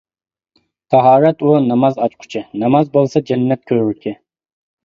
تاھارەت ئۇ ناماز ئاچقۇچى، ناماز بولسا جەننەت كۆۋرۈكى.